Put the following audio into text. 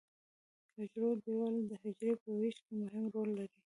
حجروي دیوال د حجرې په ویش کې مهم رول لري.